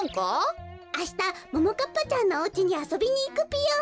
あしたももかっぱちゃんのおうちにあそびにいくぴよ。